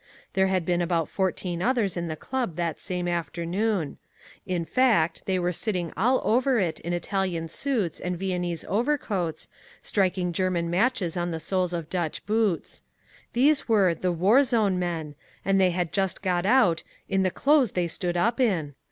There had been about fourteen others in the club that same afternoon. In fact they were sitting all over it in Italian suits and Viennese overcoats, striking German matches on the soles of Dutch boots. These were the "war zone" men and they had just got out "in the clothes they stood up in."